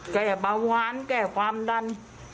แก้เบาหวานแก้ความดัน